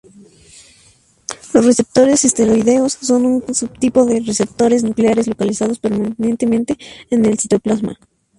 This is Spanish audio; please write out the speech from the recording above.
Los receptores esteroideos son un subtipo de receptores nucleares localizados permanentemente en el citoplasma.